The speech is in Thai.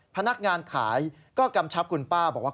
พนักงานขายก็กำชับคุณป้าบอกว่า